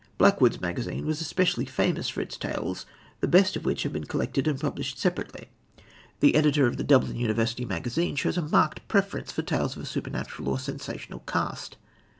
Blackwood's Magazine was especially famous for its tales, the best of which have been collected and published separately. The editor of the Dublin University Magazine shows a marked preference for tales of a supernatural or sensational cast.